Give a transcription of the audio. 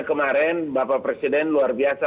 kemarin bapak presiden luar biasa